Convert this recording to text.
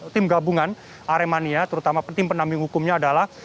tim gabungan aremania terutama tim pendamping hukumnya adalah